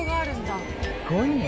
すごいね。